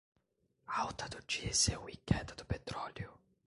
Alta do diesel e queda do petróleo